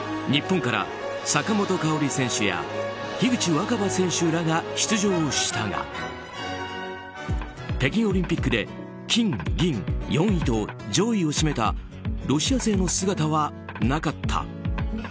日本から、坂本花織選手や樋口新葉選手らが出場したが北京オリンピックで金、銀、４位と上位を占めたロシア勢の姿はなかった。